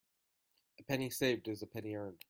A penny saved is a penny earned.